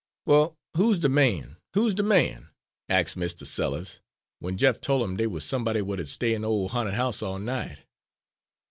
"'Well, hoo's de man hoo's de man?' ax Mistah Sellers, w'en Jeff tol' 'im dey wuz somebody wat 'ud stay in de ole ha'nted house all night.